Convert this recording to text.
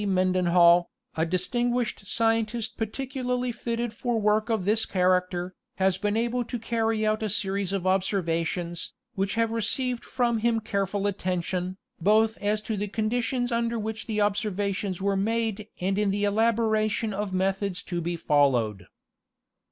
Menden hall, a distinguished scientist peculiarly fitted for work of this character, has been able to carry out a series of observations, which have received from him careful attention, both as to the conditions under which the observations were made and in the elaboration of methods to be followed.